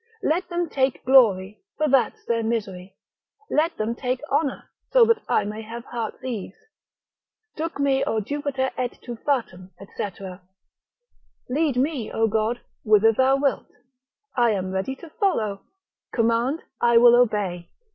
Let them take glory, for that's their misery; let them take honour, so that I may have heart's ease. Duc me O Jupiter et tu fatum, &c. Lead me, O God, whither thou wilt, I am ready to follow; command, I will obey.